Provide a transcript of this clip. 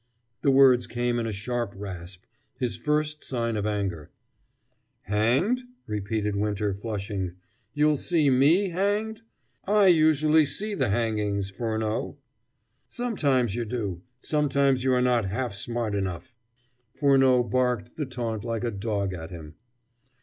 The words came in a sharp rasp his first sign of anger. "Hanged?" repeated Winter, flushing. "You'll see me hanged? I usually see the hanging, Furneaux!" "Sometimes you do: sometimes you are not half smart enough!" Furneaux barked the taunt like a dog at him.